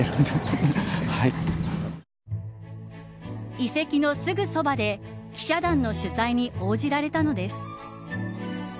遺跡のすぐそばで記者団の取材に応じられたのです。